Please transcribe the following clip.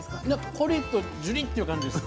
コリッとジュリッていう感じです。